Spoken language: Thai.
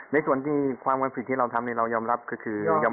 ในส่วนที่ความผิดที่เราทำนี่เรายอมรับก็คือ